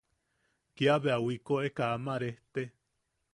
Kia bea wikoʼeka ama rejte.